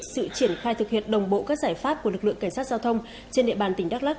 sự triển khai thực hiện đồng bộ các giải pháp của lực lượng cảnh sát giao thông trên địa bàn tỉnh đắk lắc